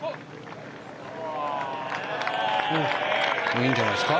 いいんじゃないですか。